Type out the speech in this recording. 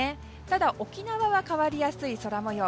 ただ、沖縄は変わりやすい空模様。